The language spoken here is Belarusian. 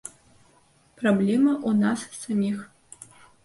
Праблема ў нас саміх.